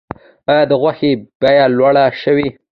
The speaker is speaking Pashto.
آیا د غوښې بیه لوړه شوې؟